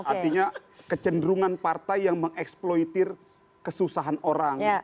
artinya kecenderungan partai yang mengeksploitir kesusahan orang